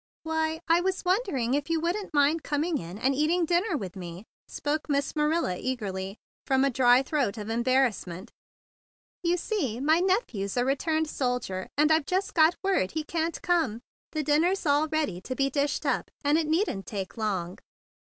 "Why, I was wondering if you would mind coming in and eating din¬ ner with me," spoke Miss Manila eagerly from a dry throat of embarrass¬ ment. "You see my nephew's a re¬ turned soldier, and I've just got word he can't come. The dinner's all ready to be dished up, and it needn't take you long."